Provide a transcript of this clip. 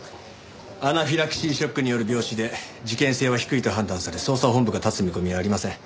アナフィラキシーショックによる病死で事件性は低いと判断され捜査本部が立つ見込みはありません。